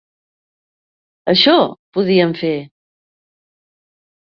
Això podíem fer!